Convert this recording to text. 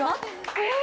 えっ？